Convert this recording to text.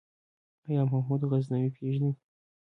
آيا محمود غزنوي پېژنې ؟